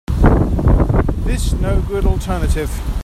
This no good alternative.